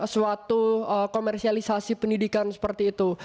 suatu komersialisasi pendidikan seperti itu